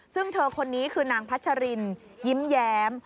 ซึ่งเธอคนนี้คือนางพัชรินยิ้มแย้ม